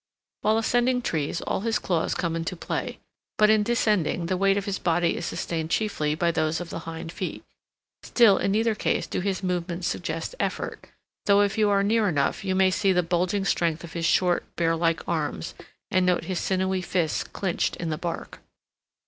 While ascending trees all his claws come into play, but in descending the weight of his body is sustained chiefly by those of the hind feet; still in neither case do his movements suggest effort, though if you are near enough you may see the bulging strength of his short, bear like arms, and note his sinewy fists clinched in the bark.